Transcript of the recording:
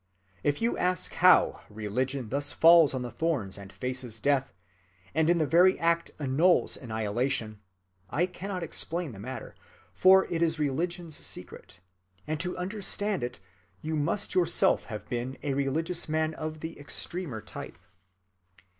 If you ask how religion thus falls on the thorns and faces death, and in the very act annuls annihilation, I cannot explain the matter, for it is religion's secret, and to understand it you must yourself have been a religious man of the extremer type.